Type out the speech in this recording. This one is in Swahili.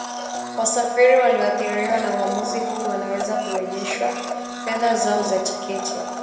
Wasafiri walioathiriwa na uamuzi huu wanaweza kurejeshewa fedha zao za tiketi